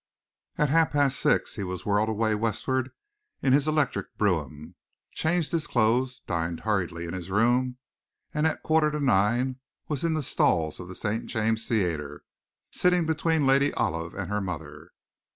At half past six he was whirled away westward in his electric brougham, changed his clothes, dined hurriedly in his room, and at a quarter to nine was in the stalls of the St. James' Theatre, sitting between Lady Olive and her mother.